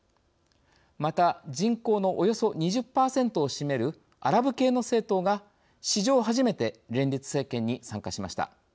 また、人口のおよそ２０％を占めるアラブ系の政党が、史上初めて連立政権に参加しました。